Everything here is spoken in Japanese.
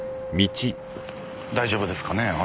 大丈夫ですかね？